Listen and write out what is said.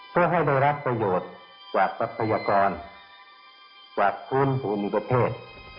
เพื่อให้โดยรักประโยชน์กว่าพัฒนิกัติกว่ากลุ่นอุณิกเทศ